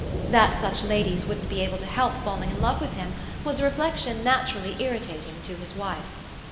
That such ladies wouldn't be able to help falling in love with him was a reflexion naturally irritating to his wife.